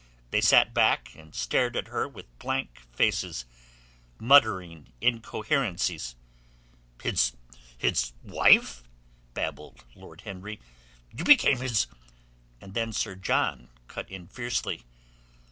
They sat back, and stared at her with blank faces, muttering incoherencies. "His... his wife?" babbled Lord Henry. "You became his...." And then Sir John cut in fiercely.